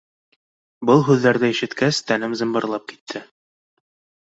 Был һүҙҙәрҙе ишеткәс, тәнем зымбырлап китте.